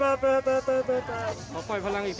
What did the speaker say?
ขอปล่อยพลังอีกทีครับ